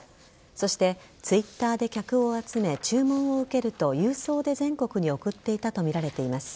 そして、Ｔｗｉｔｔｅｒで客を集め、注文を受けると郵送で全国に送っていたとみられています。